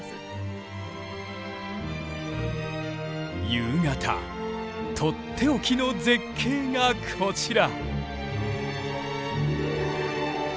夕方とっておきの絶景がこちら。